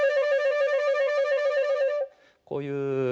こういう。